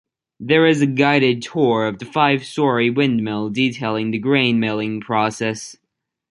There is a guided tour of the five-storey windmill detailing the grain milling process.